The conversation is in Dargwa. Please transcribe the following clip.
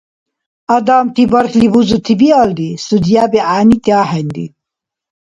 Адамти бархьли бузути биалри, судьяби гӀягӀнити ахӀенри.